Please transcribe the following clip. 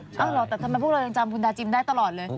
แต่ทำไมพวกเราจำคุณดาจิมได้ตลอดเลย